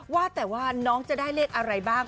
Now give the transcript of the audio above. ว่าแต่ว่าน้องจะได้เลขอะไรบ้าง